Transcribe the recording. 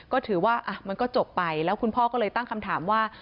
ก็ถือว่ามันก็จบไปแล้วคุณพ่อก็เลยตั้งคำถามว่า